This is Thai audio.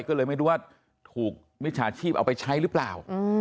ก็เลยไม่รู้ว่าถูกมิจฉาชีพเอาไปใช้หรือเปล่า